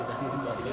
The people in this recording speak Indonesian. jadi dia di tkp